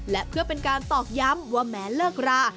และเพื่อเป็นการตอกย้ำว่าแม้เลิกรา